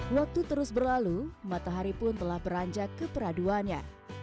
waktu terus berlalu matahari pun telah beranjak ke peraduannya